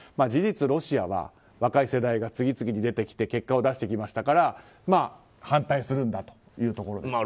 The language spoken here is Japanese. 事実、ロシアは若い世代が次々出てきて結果を出してきましたから反対するんだということです。